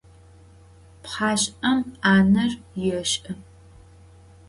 Pxhaş'em 'aner yêş'ı.